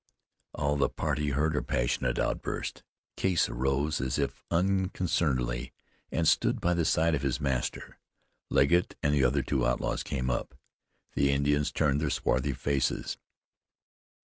All the party heard her passionate outburst. Case arose as if unconcernedly, and stood by the side of his master. Legget and the other two outlaws came up. The Indians turned their swarthy faces.